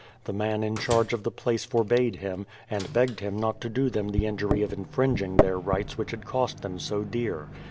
The man in charge of the place for bade him, and begged him not to do them the injury of infringing their rights which had cost them so dear.